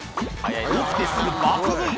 起きてすぐ爆食い！